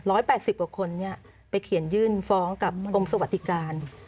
แปดสิบกว่าคนเนี่ยไปเขียนยื่นฟ้องกับกรมสวัสดิการ